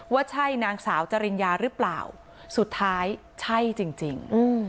ว่าใช่นางสาวจริญญาหรือเปล่าสุดท้ายใช่จริง